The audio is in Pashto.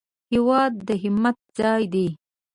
هېواد د همت ځای دی